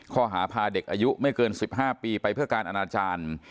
พาเด็กอายุไม่เกิน๑๕ปีไปเพื่อการอนาจารย์